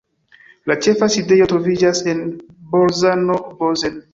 La ĉefa sidejo troviĝas en Bolzano-Bozen.